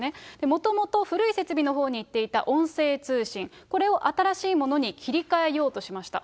もともと古い設備のほうに行っていた音声通信、これを新しいものに切り替えようとしました。